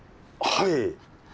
はい。